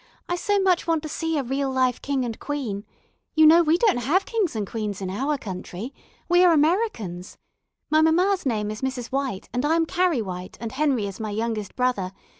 I so much want to see a real live king and queen. You know we don't have kings and queens in our country. We are Americans. My mamma's name is Mrs. White and I am Carrie White and Henry is my youngest brother.